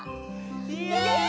イエイ！